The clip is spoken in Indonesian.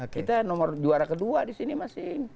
kita nomor juara kedua di sini masih